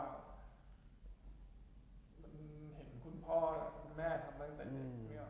เห็นคุณพ่อคุณแม่ทำตั้งแต่เด็ก